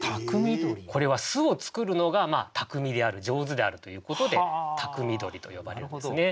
これは巣を作るのがたくみである上手であるということで「番匠鳥」と呼ばれるんですね。